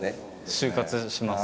終活します。